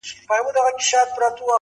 • وه ه ژوند به يې تياره نه وي.